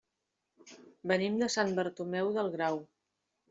Venim de Sant Bartomeu del Grau.